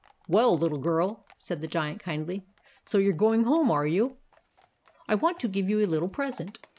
"WELL, LITTLE GIRL," said the Giant kindly, " SO YOU'RE GOING HOME ARE YOU? I WANT TO GIVE YOU A LITTLE PRESENT."